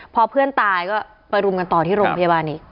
พอเพื่อนตายก็ไปรุมกันต่อที่โรงพยาบาลอีก